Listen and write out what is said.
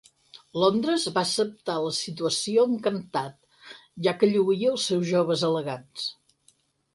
Londres va acceptar la situació encantat ja que lluïa els seus joves elegants.